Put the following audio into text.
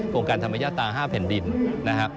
โครงการธรรมยาตามิยาตา๕เผ็ดดินนะครับ